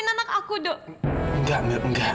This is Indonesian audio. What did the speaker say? mendingan sekarang kamu pergi yedok